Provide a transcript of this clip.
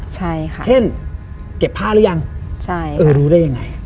เช่นเก็บผ้าหรือยังเออรู้ได้ยังไง